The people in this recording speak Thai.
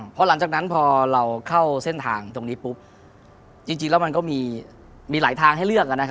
พอหลังจากนั้นพอเราเข้าเส้นทางตรงนี้ปุ๊บจริงแล้วมันก็มีหลายทางให้เลือก